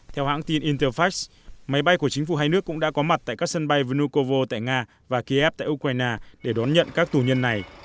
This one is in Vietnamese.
theo hãng tin interfax máy bay của chính phủ hai nước cũng đã có mặt tại các sân bay vnukovo tại nga và kiev tại ukraine để đón nhận các tù nhân này